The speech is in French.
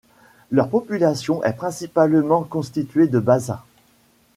Leur population est principalement constituée de Bassa.